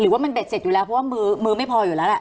ว่ามันเด็ดเสร็จอยู่แล้วเพราะว่ามือไม่พออยู่แล้วแหละ